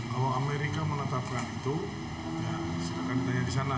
kalau amerika menetapkan itu silahkan ditanya di sana